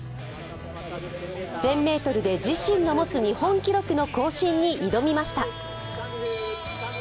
１０００ｍで自身の持つ日本記録の更新に挑みました。